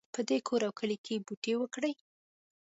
په خپل کور او کلي کې بوټي وکرئ